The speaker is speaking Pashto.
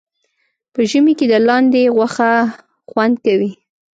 په ژمي کې د لاندي غوښه خوند کوي